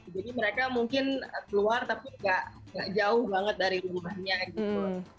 jadi mereka mungkin keluar tapi gak jauh banget dari luarnya gitu